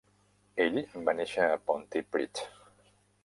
Ell va néixer a Pontypridd.